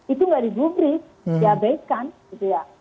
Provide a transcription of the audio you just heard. itu tidak digubri diabeiskan gitu ya